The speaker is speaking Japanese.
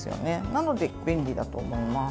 なので、便利だと思います。